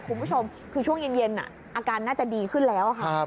คุณผู้ชมคือช่วงเย็นอาการน่าจะดีขึ้นแล้วค่ะ